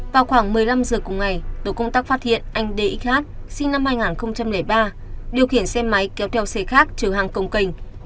vào khoảng một mươi năm h cùng ngày tổ công tác phát hiện anh d x h sinh năm hai nghìn ba điều khiển xe máy kéo theo xe khác trở hàng công kênh